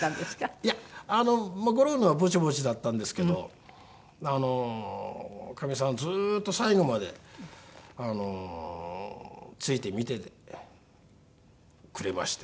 いやあのゴルフの方はぼちぼちだったんですけどあのかみさんはずっと最後まであのついて見ててくれまして。